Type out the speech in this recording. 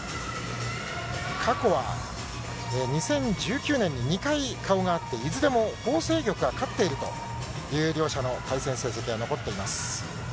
過去は２０１９年に２回顔が会って、いずれもホウ倩玉が勝っているという両者の対戦成績が残っています。